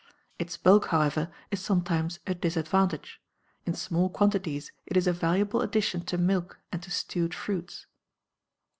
Its bulk, however, is sometimes a disadvantage; in small quantities it is a valuable addition to milk and to stewed fruits.